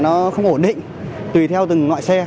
nó không ổn định tùy theo từng loại xe